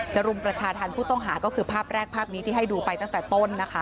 รุมประชาธรรมผู้ต้องหาก็คือภาพแรกภาพนี้ที่ให้ดูไปตั้งแต่ต้นนะคะ